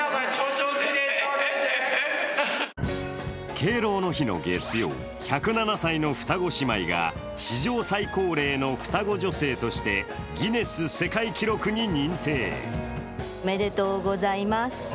敬老の日の月曜、１０７歳の双子姉妹が史上最高齢の双子女性としてギネス世界記録に認定。